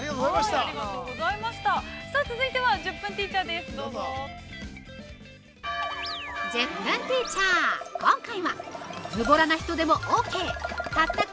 ◆さあ続いては、「１０分ティーチャー」です。